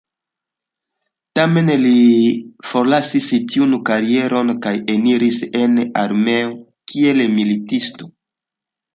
Tamen li forlasis tiun karieron kaj eniris en armeo kiel militisto.